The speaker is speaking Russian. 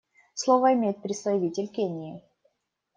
Слово имеет представитель Кении.